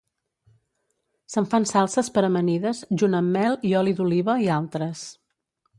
Se'n fan salses per amanides junt amb mel i oli d'oliva i altres.